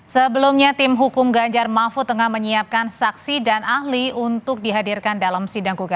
sebelumnya tim hukum ganjar mahfud tengah menyiapkan saksi dan ahli untuk dihadirkan dalam sidang